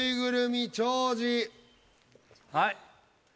はい。